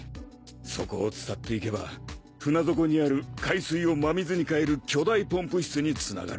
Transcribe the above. そこをつたっていけば船底にある海水を真水に変える巨大ポンプ室につながる。